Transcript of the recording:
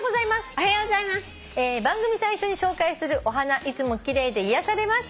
「番組最初に紹介するお花いつも奇麗で癒やされます」